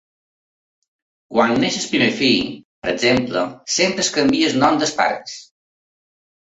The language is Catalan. Quan neix el primer fill, per exemple, sempre es canvia el nom dels pares.